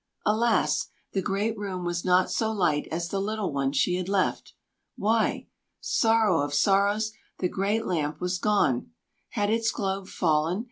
Alas! the great room was not so light as the little one she had left. Why? Sorrow of sorrows! the great lamp was gone! Had its globe fallen?